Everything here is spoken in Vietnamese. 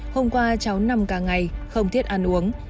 hôm qua cháu nằm cả ngày không thiết ăn uống